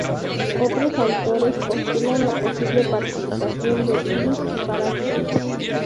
Otros autores, postulan la posible participación de virus y parásitos.